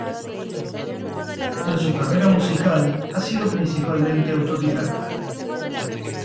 En su carrera musical, ha sido principalmente autodidacta.